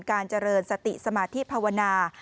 การเจริญสติสมาธิภาวนา